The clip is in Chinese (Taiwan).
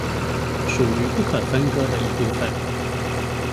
屬於不可分割的一部分